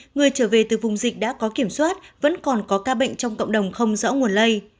người trở về từ vùng dịch đã có kiểm soát vẫn còn có ca bệnh trong cộng đồng không rõ nguồn lây